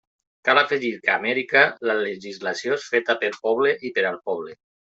Cal afegir que a Amèrica la legislació és feta pel poble i per al poble.